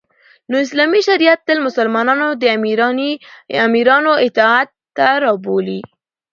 نو اسلامی شریعت تل مسلمانان د امیرانو اطاعت ته رابولی